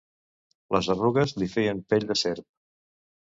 Les arrugues li feien pell de serp.